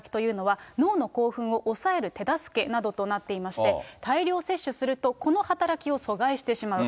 そもそもビタミンＢ６の働きというのは、脳の興奮を抑えるなどなっていまして、大量摂取すると、この働きを阻害してしまう。